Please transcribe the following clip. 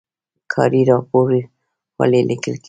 کاري راپور ولې لیکل کیږي؟